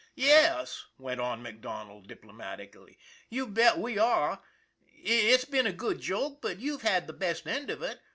'' Yes," went on MacDonald, diplomatically. ' You bet we are. It's been a good joke, but you've had the best end of it.